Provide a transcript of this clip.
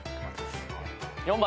４番。